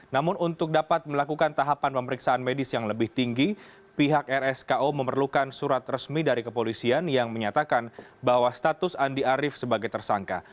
namun untuk dapat melakukan tahapan pemeriksaan medis yang lebih tinggi pihak rsko memerlukan surat resmi dari kepolisian yang menyatakan bahwa status andi arief sebagai tersangka